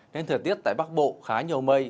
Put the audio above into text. nên thời tiết tại bắc bộ khá nhiều mây